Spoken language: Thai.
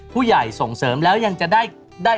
ผู้ใหญ่ส่งเสริมแล้วยังจะได้